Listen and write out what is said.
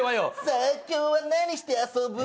「さあ今日は何して遊ぶ？」